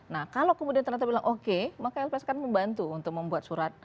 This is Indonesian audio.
nah kalau kemudian ternyata bilang oke maka lpsk membantu untuk membuat surat